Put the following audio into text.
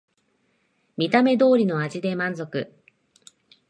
見た目通りの味で満足